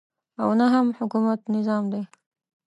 او نه هم حکومت نظام دی.